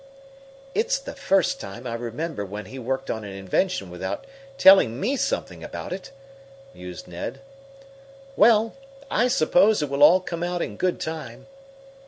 "It's the first time I remember when he worked on an invention without telling me something about it," mused Ned. "Well, I suppose it will all come out in good time.